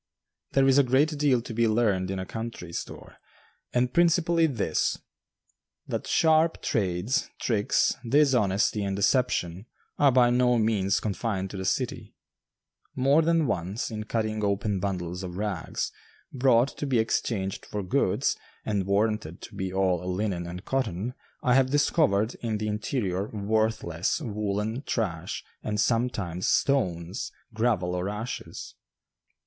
There is a great deal to be learned in a country store, and principally this that sharp trades, tricks, dishonesty, and deception are by no means confined to the city. More than once, in cutting open bundles of rags, brought to be exchanged for goods, and warranted to be all linen and cotton, I have discovered in the interior worthless woolen trash and sometimes stones, gravel or ashes.